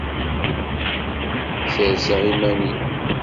Serseɣ iman-iw.